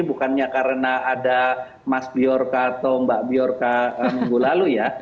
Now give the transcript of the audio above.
bukannya karena ada mas biorka atau mbak biorka minggu lalu ya